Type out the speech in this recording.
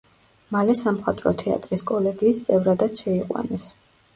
მალე სამხატვრო თეატრის კოლეგიის წევრადაც შეიყვანეს.